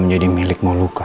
menjadi milik moluka